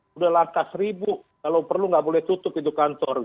sudah laka seribu kalau perlu nggak boleh tutup itu kantor